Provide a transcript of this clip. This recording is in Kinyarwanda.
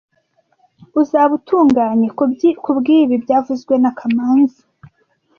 Uzaba utunganye kubwibi byavuzwe na kamanzi